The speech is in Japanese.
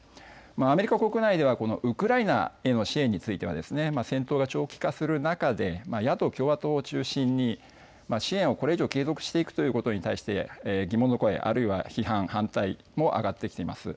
アメリカ国内ではウクライナへの支援については戦闘が長期化する中で野党・共和党を中心に支援をこれ以上、継続していくということに対して疑問の声、あるいは批判、反対も上がってきています。